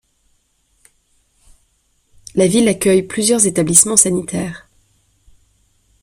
La ville accueille plusieurs établissements sanitaires.